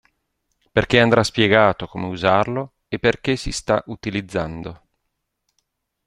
Perché andrà spiegato come usarlo e perché si sta utilizzando.